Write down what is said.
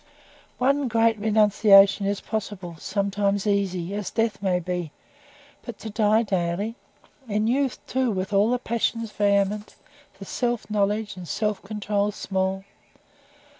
One great renunciation is possible, sometimes easy, as death may be; but to "die daily?" In youth, too, with all the passions vehement, the self knowledge and self control small?